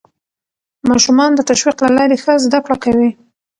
ماشومان د تشویق له لارې ښه زده کړه کوي